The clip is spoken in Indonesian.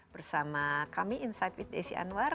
bersama kami insight with desi anwar